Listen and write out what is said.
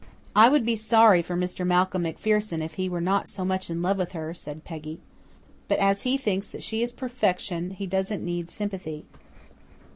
"I would be sorry for Mr. Malcolm MacPherson if he were not so much in love with her," said Peggy. "But as he thinks that she is perfection he doesn't need sympathy."